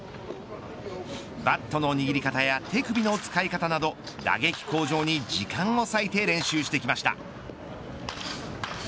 バットの握り方や手首の使い方など打撃向上に時間を割いて練習してきました。